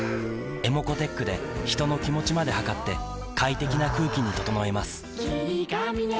ｅｍｏｃｏーｔｅｃｈで人の気持ちまで測って快適な空気に整えます